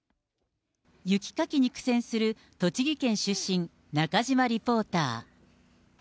雪かきに苦戦する、栃木県出身、中島リポーター。